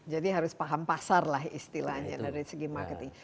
jadi harus paham pasar lah istilahnya dari segi marketing